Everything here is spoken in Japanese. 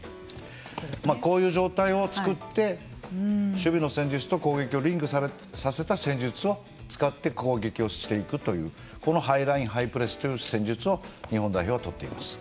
こういう状態を作って守備の戦術と攻撃をリンクさせた戦術を使って攻撃をしていくというこのハイラインハイプレスという戦術を日本代表は取っています。